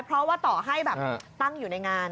เพราะว่าต่อให้แบบตั้งอยู่ในงาน